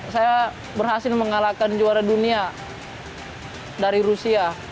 dua ribu empat belas saya berhasil mengalahkan juara dunia dari rusia